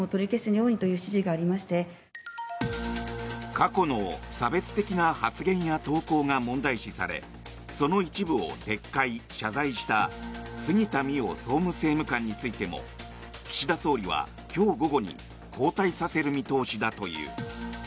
過去の差別的な発言や投稿が問題視されその一部を撤回・謝罪した杉田水脈総務政務官についても岸田総理は今日午後に交代させる見通しだという。